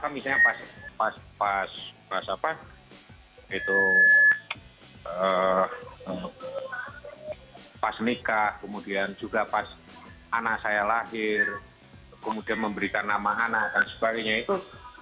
misalnya pas apa itu pas nikah kemudian juga pas anak saya lahir kemudian memberikan nama anak dan sebagainya itu